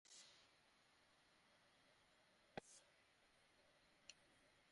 মালিকেরা টিলা কেটে সমান্তরাল করে জমি দ্বিগুণ দামে বিক্রি করতে চাইছেন।